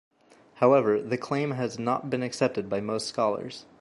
However, the claim has not been accepted by most scholars.